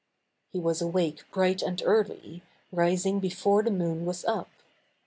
He was awake bright and early, rising be fore the moon was up.